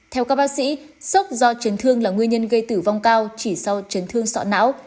theo các bác sĩ sốc do chấn thương là nguyên nhân gây tử vong cao chỉ sau chấn thương sọ não